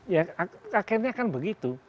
ya akhirnya akan begitu